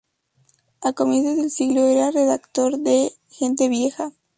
A comienzos del siglo era redactor de "Gente Vieja".